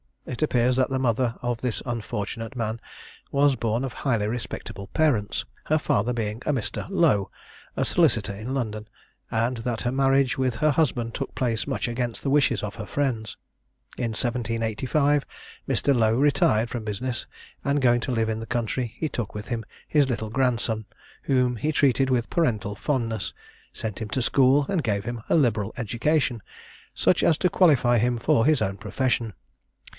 It appears that the mother of this unfortunate man was born of highly respectable parents, her father being a Mr. Lowe, a solicitor in London, and that her marriage with her husband took place much against the wishes of her friends. In 1785, Mr. Lowe retired from business, and going to live in the country, he took with him his little grandson, whom he treated with parental fondness; sent him to school, and gave him a liberal education, such as to qualify him for his own profession.